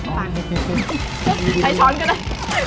ใช้ช้อนกันเลย